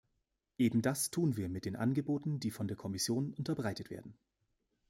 Eben das tun wir mit den Angeboten, die von der Kommission unterbreitet werden.